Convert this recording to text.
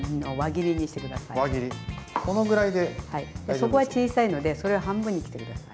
そこは小さいのでそれを半分に切って下さい。